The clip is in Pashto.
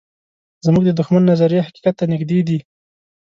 زموږ د دښمن نظریې حقیقت ته نږدې دي.